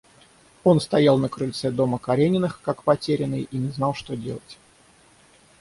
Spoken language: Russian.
Он стоял на крыльце дома Карениных, как потерянный, и не знал, что делать.